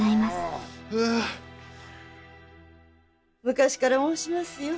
昔から申しますよ。